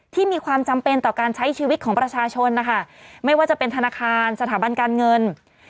มีความจำเป็นต่อการใช้ชีวิตของประชาชนนะคะไม่ว่าจะเป็นธนาคารสถาบันการเงิน